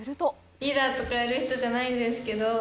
リーダーとかやる人じゃないんですけど。